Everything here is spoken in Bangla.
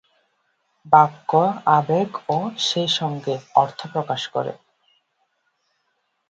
বাক্য আবেগ ও সেইসঙ্গে অর্থ প্রকাশ করে।